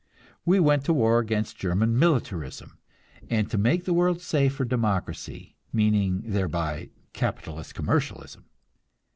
We went to war against German militarism, and to make the world safe for democracy meaning thereby capitalist commercialism.